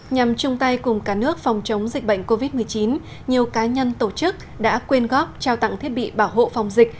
nhằm chung tay cùng cả nước phòng chống dịch bệnh covid một mươi chín nhiều cá nhân tổ chức đã quyên góp trao tặng thiết bị bảo hộ phòng dịch